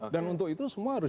dan untuk itu semua harus